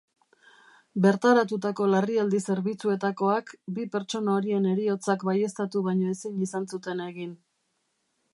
Bertaratutako larrialdi zerbitzuetakoak bi pertsona horien heriotzak baieztatu baino ezin izan zuten egin.